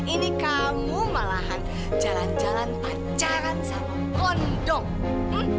ini kamu malahan jalan jalan pacaran sama kondong